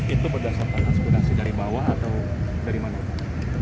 itu berdasarkan konsolidasi dari bawah atau dari mana